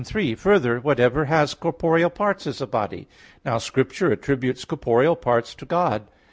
3: Further, whatever has corporeal parts is a body. Now Scripture attributes corporeal parts to God.